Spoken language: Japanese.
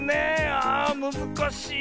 あむずかしいなあ。